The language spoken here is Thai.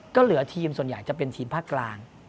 ก็เหลือทีมส่วนใหญ่จะเป็นทีมภาคกลาง